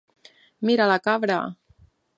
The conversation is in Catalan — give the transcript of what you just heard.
Mira la cabra!